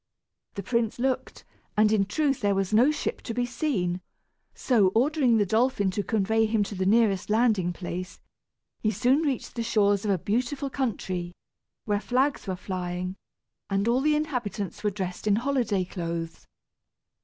The prince looked, and in truth there was no ship to be seen; so, ordering the dolphin to convey him to the nearest landing place, he soon reached the shores of a beautiful country, where flags were flying, and all the inhabitants were dressed in holiday clothes.